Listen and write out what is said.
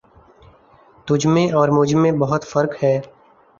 تجھ میں اور مجھ میں بہت فرق ہے